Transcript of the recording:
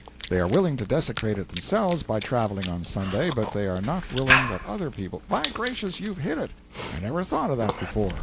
They are willing to desecrate it themselves by travelling on Sunday, but they are not willing that other people ' 'By gracious, you've hit it! I never thought of that before.